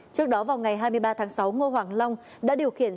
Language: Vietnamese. trước đó vào ngày hai mươi ba tháng sáu ngô hoàng long đã điều khiển